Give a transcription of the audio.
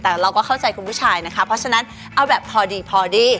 แต่เราก็เข้าใจคุณผู้ชายนะคะเพราะฉะนั้นเอาแบบพอดีพอดี